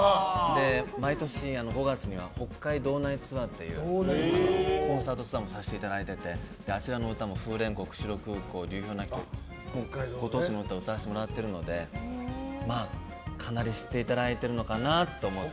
毎年５月には北海道内ツアーというコンサートツアーもさせていただいてご当地の歌を歌わせてもらっているのでかなり知っていただいてるのかなと思って。